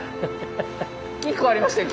金庫ありましたよ